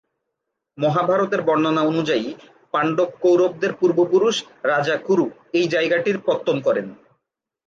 মহাভারতের বর্ণনা অনুযায়ী, পান্ডব-কৌরবদের পূর্বপুরুষ রাজা কুরু এই জায়গাটির পত্তন করেন।